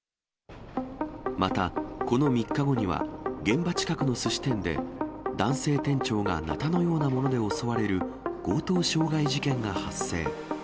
また、この３日後には、現場近くのすし店で、男性店長がなたのようなもので襲われる強盗傷害事件が発生。